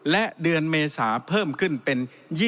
และเดือนเมษาเพิ่มขึ้นเป็น๒๐